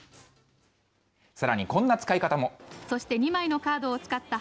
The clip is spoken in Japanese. さらにこんな使い方も。